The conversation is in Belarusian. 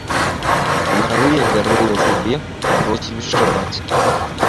Марыя вярнула сабе прозвішча бацькі.